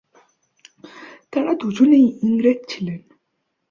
তারা দুজনেই ইংরেজ ছিলেন।